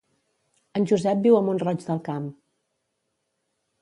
En Josep viu a Mont-roig del Camp